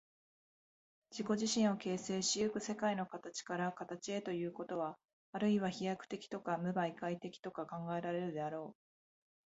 自己自身を形成し行く世界の形から形へということは、あるいは飛躍的とか無媒介的とか考えられるであろう。